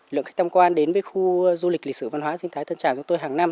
lượng khách tham quan đến với khu du lịch lịch sử văn hóa sinh thái tân trào chúng tôi hàng năm